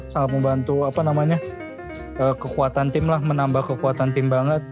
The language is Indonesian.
sangat membantu apa namanya kekuatan tim lah menambah kekuatan tim banget